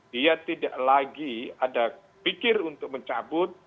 dia tidak lagi ada pikir untuk mencabut